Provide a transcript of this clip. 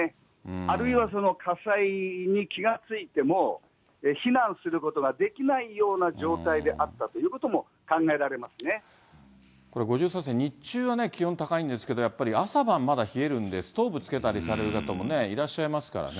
あるいは火災に気が付いても、避難することができないような状態であったということも考えられこれ、５３世、日中はね、気温高いんですけど、やっぱり朝晩まだ冷えるんで、ストーブつけたりされる方もいらっしゃいますからね。